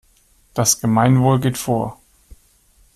Das Gemeinwohl geht vor.